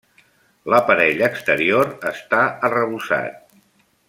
L'aparell exterior està arrebossat.